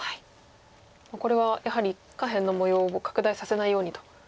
これはやはり下辺の模様を拡大させないようにと。